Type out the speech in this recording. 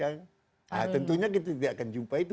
nah tentunya kita tidak akan jumpa itu